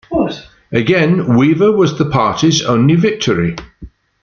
Again, Weaver was the party's only victory.